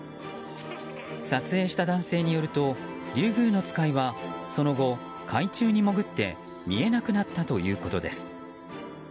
撮影された男性によるとリュウグウノツカイはその後、海中に潜って見えなくなったということです。